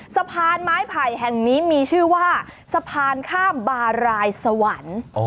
สะพานไม้ไผ่แห่งนี้มีชื่อว่าสะพานข้ามบารายสวรรค์